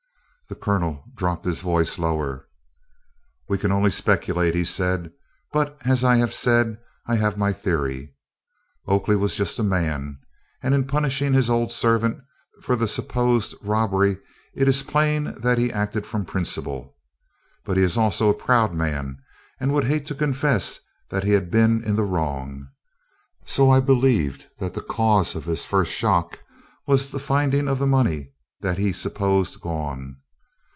The Colonel dropped his voice lower. "We can only speculate," he said; "but, as I have said, I have my theory. Oakley was a just man, and in punishing his old servant for the supposed robbery it is plain that he acted from principle. But he is also a proud man and would hate to confess that he had been in the wrong. So I believed that the cause of his first shock was the finding of the money that he supposed gone.